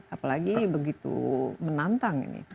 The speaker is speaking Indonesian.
apalagi begitu menantang ini